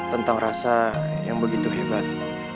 tentang rasa yang begitu hebat